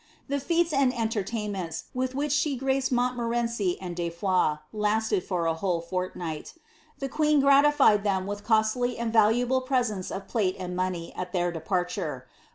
The f€tes and en tertainments, with which she graced Monimoreuci and De Foix, lasted for B whole fortnight. The queen gralifiert ihcm with cosily and val» able presents of piale and money at their departure.